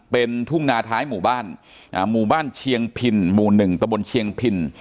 เป็นทุ่งนาท้ายหมู่บ้านหมู่บ้านเชียงพินหมู่๑ตะบนเชียงพิน